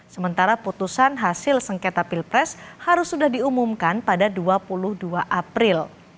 sementara putusan hasil sengketa pilpres harus sudah diumumkan pada dua puluh dua april